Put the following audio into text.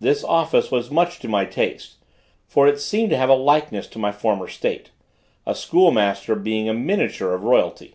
This office was much to my taste, for it seemed to have a likeness to my former state, a school master being a miniature of royalty.